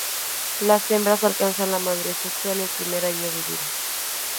Las hembras alcanzan la madurez sexual el primer año de vida.